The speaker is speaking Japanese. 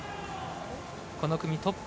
この組トップ。